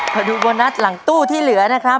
มาดูโบนัสหลังตู้ที่เหลือนะครับ